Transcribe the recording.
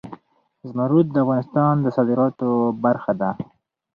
زمرد د افغانستان د صادراتو برخه ده.